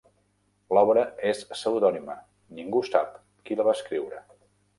L'obra és pseudònima: ningú sap qui la va escriure.